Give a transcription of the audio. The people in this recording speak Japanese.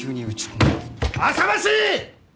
あさましい！